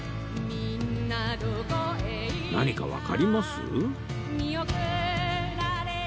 何かわかります？